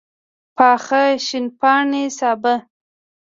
پاخه شین پاڼي سابه